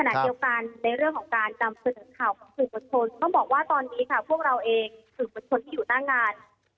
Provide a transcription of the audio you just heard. ขณะเดียวกันในเรื่องของการนำเสนอข่าวของสื่อมวลชนต้องบอกว่าตอนนี้ค่ะพวกเราเองสื่อมวลชนที่อยู่หน้างาน